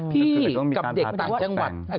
กับเด็กต่างจังหวัด